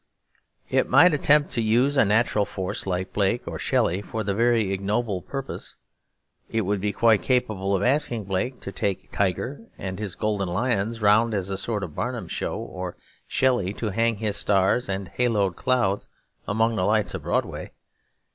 It might attempt to use a natural force like Blake or Shelley for very ignoble purposes; it would be quite capable of asking Blake to take his tiger and his golden lions round as a sort of Barnum's Show, or Shelley to hang his stars and haloed clouds among the lights of Broadway.